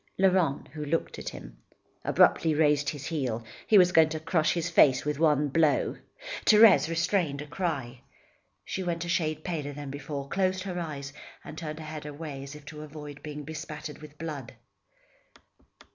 Laurent who looked at him, abruptly raised his heel. He was going to crush his face at one blow. Thérèse restrained a cry. She went a shade paler than before, closed her eyes and turned her head away as if to avoid being bespattered with blood.